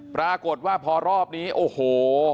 ปรากฏว่าพอรอบนี้โอ้โห